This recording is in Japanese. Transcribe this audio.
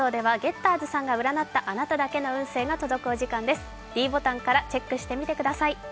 ｄボタンからチェックしてみてください。